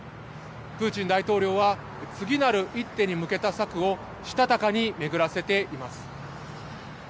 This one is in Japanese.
プーチン大統領は次なる一手に向けた策をしたたかにめぐらせています。